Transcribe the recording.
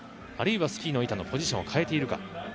あるいはスキー板のポジションを変えているか。